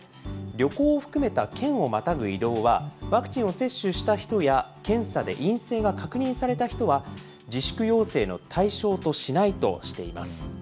旅行を含めた県をまたぐ移動は、ワクチンを接種した人や、検査で陰性が確認された人は、自粛要請の対象としないとしています。